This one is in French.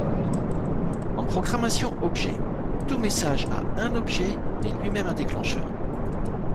En programmation objet, tout message à un objet est lui-même un déclencheur.